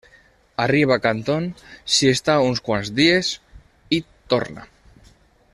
Arriba a Canton, s'hi està uns quants dies i torna.